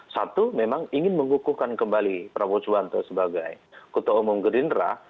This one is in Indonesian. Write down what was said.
satu memang ingin mengukuhkan kembali prabowo suwanto sebagai ketua umum gerindra